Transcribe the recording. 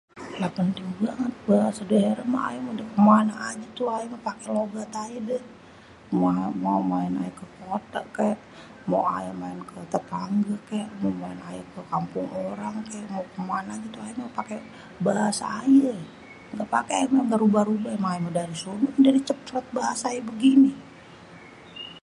Lah penting banget bahasa daerah meh, lah aye kemane aje tuh aye meh pake logat aye deh. mao aye maen kekota kek, mao aye maen ke tetangge kek, mao aye maen kekampung orang kek, mao kemane kek aye pake bahase aye. aye meh ga rubah-rubah lah emang aye dari sononye dari ceprot bahasa aye begini.